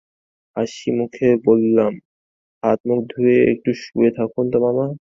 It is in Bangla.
হাসিমুখে বললাম, হাত-মুখ ধুয়ে একটু শুয়ে থাকুন তো মামা।